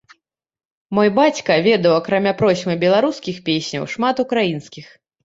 Мой бацька ведаў акрамя процьмы беларускіх песняў шмат украінскіх.